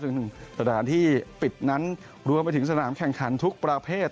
ซึ่งหนึ่งสถานที่ปิดนั้นรวมไปถึงสนามแข่งขันทุกประเภท